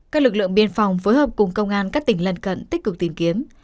các lực lượng biên phòng phối hợp cùng công an các tỉnh lần cận tích cực tìm kiếm